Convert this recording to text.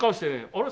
「あれ？